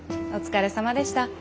お疲れさまでした。